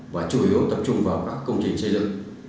và chủ yếu tập trung vào các công trình xây dựng